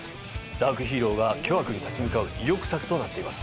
ダークヒーローが巨悪に立ち向かう意欲作となっています。